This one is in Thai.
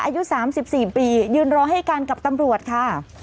อายุสามสิบสี่ปียืนรอให้กันกับตำรวจค่ะ